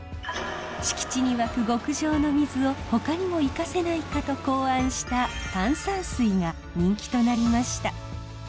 敷地に湧く極上の水をほかにも生かせないかと考案した炭酸水が人気となりました。